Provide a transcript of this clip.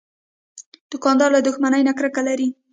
دوکاندار له دښمنۍ نه کرکه لري.